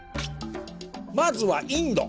まずはインド。